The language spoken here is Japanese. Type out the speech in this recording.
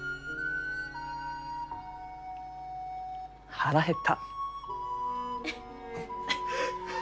腹減った。